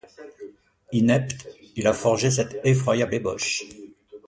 Inepte, il a forgé cette effroyable ébauche